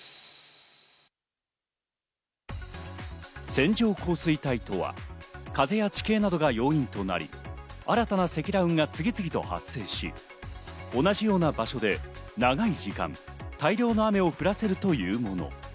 線状降水帯とは、風や地形などが要因となり、新たな積乱雲が次々と発生し、同じような場所で長い時間、大量の雨を降らせるというもの。